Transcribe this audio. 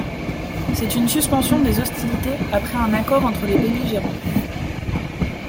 C’est une suspension des hostilités après un accord entre les belligérants.